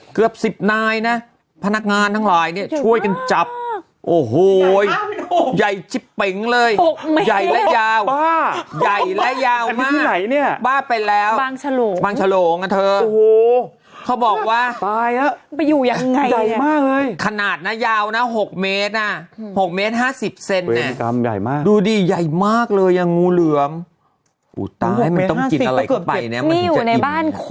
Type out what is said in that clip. เกือบสิบนายนะพนักงานทั้งหลายเนี้ยช่วยกันจับ